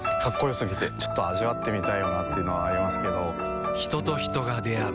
すぎてちょっと味わってみたいなっていうのはありますけど人と人が出会う